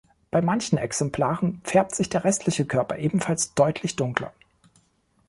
Bei manchen Exemplaren färbt sich der restliche Körper ebenfalls deutlich dunkler.